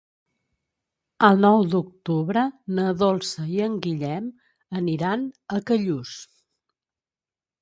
El nou d'octubre na Dolça i en Guillem aniran a Callús.